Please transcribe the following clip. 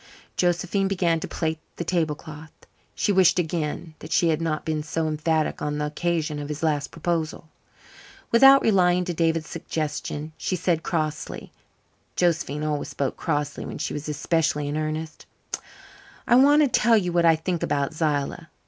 Josephine began to plait the tablecloth. She wished again that she had not been so emphatic on the occasion of his last proposal. Without replying to David's suggestion she said crossly (Josephine always spoke crossly when she was especially in earnest): "I want to tell you what I think about Zillah.